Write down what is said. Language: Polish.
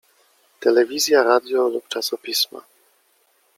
Telewizja, radio lub czasopisma.